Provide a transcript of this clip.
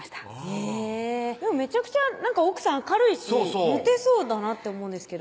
へぇめちゃくちゃ奥さん明るいしモテそうだなって思うんですけど